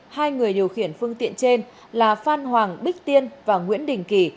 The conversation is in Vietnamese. hai người điều khiển phương tiện trên là phan hoàng bích tiên và nguyễn đình kỳ